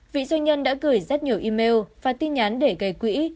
vị doanh nhân đã gửi rất nhiều email và tin nhắn để gây quỹ